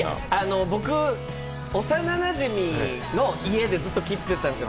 僕、幼なじみの家でずっと切ってたんですよ。